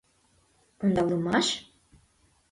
— Ондалымаш?